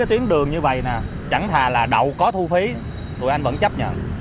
cái chuyến đường như vầy nè chẳng thà là đậu có thu phí tụi anh vẫn chấp nhận